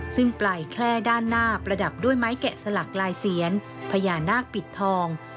ซึ่งปลายแคล่ด้านหน้าประดับด้วยไม้แกะสลักลายเสียนพญานาคปิดทอง